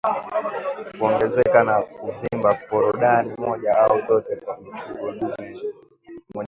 Kuongezeka na kuvimba korodani moja au zote kwa mifugo dume ni dalili moja wapo